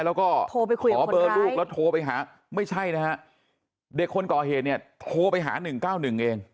แล้วก็โทรไปคุยขอเบอร์ลูกแล้วโทรไปหาไม่ใช่นะฮะเด็กคนก่อเหตุเนี่ยโทรไปหา๑๙๑เอง